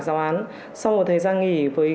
giáo án sau một thời gian nghỉ với